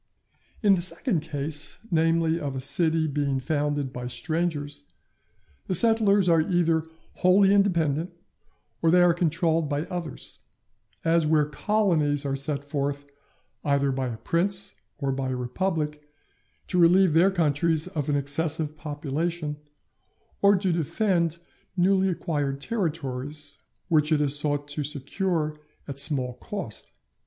In the second case, namely of a city being founded by strangers, the settlers are either wholly independent, or they are controlled by others, as where colonies are sent forth either by a prince or by a republic, to relieve their countries of an excessive population, or to defend newly acquired territories which it is sought to secure at small cost.